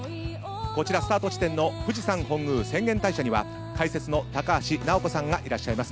こちらスタート地点の富士山本宮浅間大社には解説の高橋尚子さんがいらっしゃいます。